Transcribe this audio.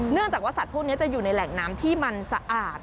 เนื่องจากว่าสัตว์พวกนี้จะอยู่ในแหล่งน้ำที่มันสะอาด